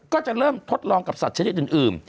ก็จะเริ่มทดลองกับสัตว์ชนิดอื่น